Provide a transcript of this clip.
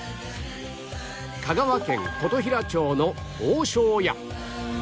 香川県琴平町の大庄屋